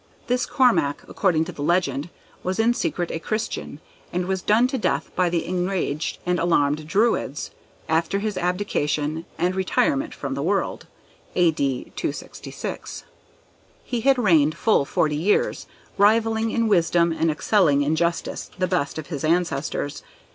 This Cormac, according to the legend, was in secret a Christian, and was done to death by the enraged and alarmed Druids, after his abdication and retirement from the world (A.D. 266). He had reigned full forty years, rivalling in wisdom, and excelling in justice the best of his ancestors.